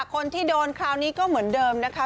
คนที่โดนคราวนี้ก็เหมือนเดิมนะคะ